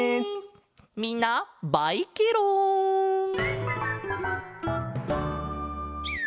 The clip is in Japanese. みんなバイケロン！